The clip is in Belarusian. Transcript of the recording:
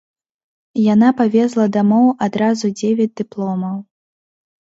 Яна павезла дамоў адразу дзевяць дыпломаў.